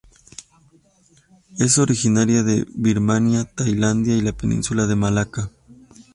Es originaria de Birmania, Tailandia y la Península de Malaca.